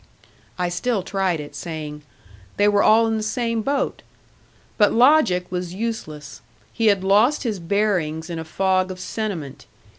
I still tried it, saying, "They were all in the same boat." But logic was useless; he had lost his bearings in a fog of sentiment.